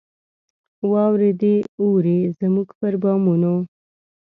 واوري دي اوري زموږ پر بامونو